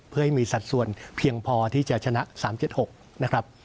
เพื่อให้มีสัดส่วนเพียงพอที่จะชนะ๓๗๖นะครับ